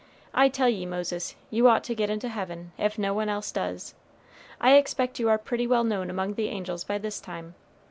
I tell ye Moses, you ought to get into heaven, if no one else does. I expect you are pretty well known among the angels by this time.